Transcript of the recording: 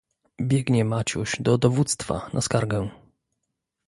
"Biegnie Maciuś do dowództwa na skargę."